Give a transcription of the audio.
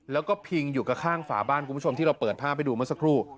แล้วก็พิงอยู่กับข้างฝาบ้านคุณผู้ชมที่เราเปิดภาพให้ดูเมื่อสักครู่